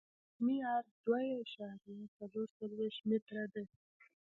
د عرادې اعظمي عرض دوه اعشاریه څلور څلویښت متره دی